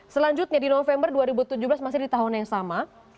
selanjutnya di november dua ribu tujuh belas masih di tahun yang sama